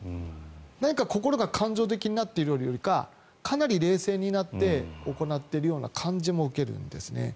何か、心が感情的になっているというよりかかなり冷静になって行っているような感じも受けるんですね。